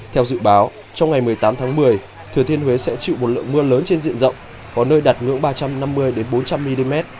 theo dự báo trong ngày một mươi tám tháng một mươi thừa thiên huế sẽ chịu một lượng mưa lớn trên diện rộng có nơi đạt ngưỡng ba trăm năm mươi bốn trăm linh mm